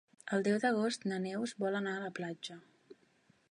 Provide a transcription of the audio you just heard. El deu d'agost na Neus vol anar a la platja.